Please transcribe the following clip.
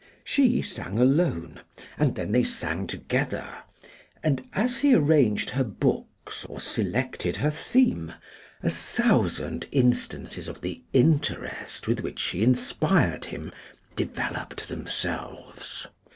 She sang alone; and then they sang together; and as he arranged her books, or selected her theme, a thousand instances of the interest with which she inspired him developed themselves.